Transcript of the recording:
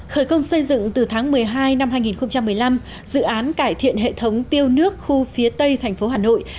khởi công xây dựng từ tháng một mươi hai năm hai nghìn một mươi năm dự án cải thiện hệ thống tiêu nước khu phía tây thành phố hà nội